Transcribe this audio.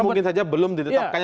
jadi mungkin saja belum ditetapkan